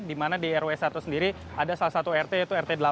di mana di rw satu sendiri ada salah satu rt yaitu rt delapan